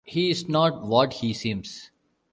He is not what he seems.